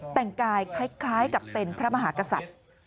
แต่งกายคล้ายกับเป็นพระมหากษัตริย์